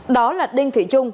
đó là đinh thủy trung